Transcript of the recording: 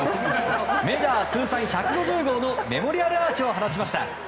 メジャー通算１５０号のメモリアルアーチを放ちました。